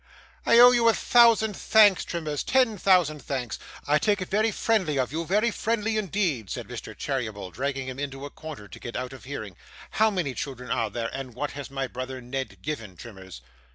'I owe you a thousand thanks, Trimmers, ten thousand thanks. I take it very friendly of you, very friendly indeed,' said Mr. Cheeryble, dragging him into a corner to get out of hearing. 'How many children are there, and what has my brother Ned given, Trimmers?